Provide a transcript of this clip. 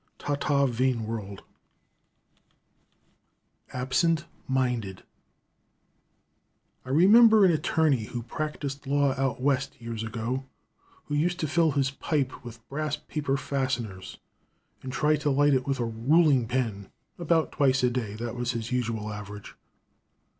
Ta, ta, vain world_." Absent Minded. I remember an attorney, who practiced law out West years ago, who used to fill his pipe with brass paper fasteners, and try to light it with a ruling pen about twice a day. That was his usual average.